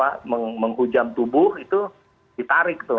karena menghujam tubuh itu ditarik tuh